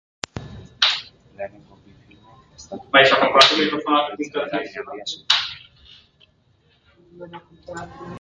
Lehenengo bi filmek Estatu Batuetako film beltzen eragin handia zuten.